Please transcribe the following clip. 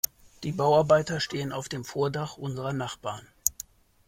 Die Bauarbeiter stehen auf dem Vordach unserer Nachbarn.